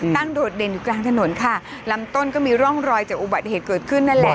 โดดเด่นอยู่กลางถนนค่ะลำต้นก็มีร่องรอยจากอุบัติเหตุเกิดขึ้นนั่นแหละ